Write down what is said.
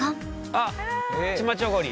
あっチマチョゴリ。